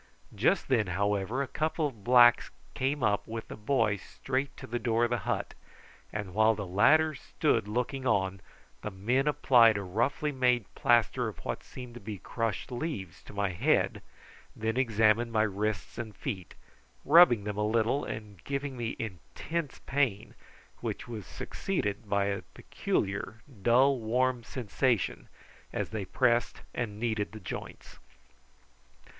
Just then, however, a couple of blacks came up with the boy straight to the door of the hut, and while the latter stood looking on, the men applied a roughly made plaster of what seemed to be crushed leaves to my head, and then examined my wrists and feet, rubbing them a little and giving me intense pain, which was succeeded by a peculiar, dull warm sensation as they pressed and kneaded the joints.